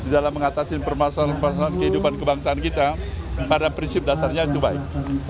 dalam mengatasi permasalahan permasalahan kehidupan kebangsaan kita pada prinsip dasarnya itu baik